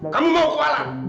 kamu mau kualan